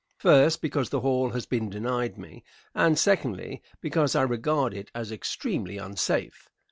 First, because the hall has been denied me, and secondly, because I regard it as extremely unsafe.